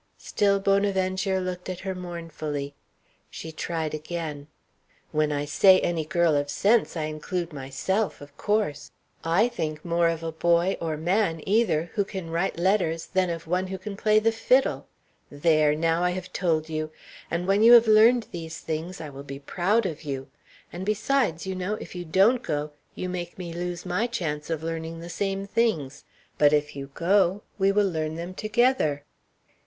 Still Bonaventure looked at her mournfully. She tried again. "When I say any girl of sense I include myself of course! I think more of a boy or man, either who can write letters than of one who can play the fiddle. There, now, I have told you! And when you have learned those things, I will be proud of you! And besides, you know, if you don't go, you make me lose my chance of learning the same things; but if you go, we will learn them together."